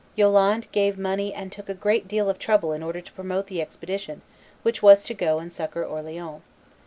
Yolande gave money and took a great deal of trouble in order to promote the expedition which was to go and succor Orleans.